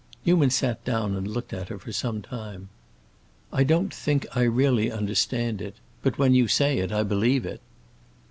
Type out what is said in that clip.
Newman sat down and looked at her for some time. "I don't think I really understand it. But when you say it, I believe it."